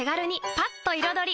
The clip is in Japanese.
パッと彩り！